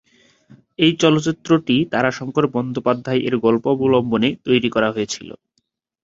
এই চলচ্চিত্রটি তারাশঙ্কর বন্দ্যোপাধ্যায় এর গল্প অবলম্বনে তৈরি করা হয়েছিল।